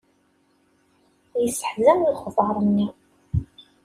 Yesseḥzan lexbeṛ-nni